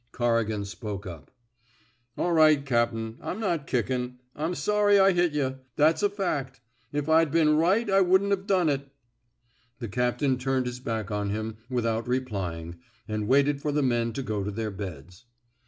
Corrigan spoke up, All right, cap'n. I 'm not kickin '. I 'm sorry I hit yuh. That 's a fact. If I'd been right, I wudn't 've done it." The captain turned his back on him with out replying, and waited for the men to go to their beds.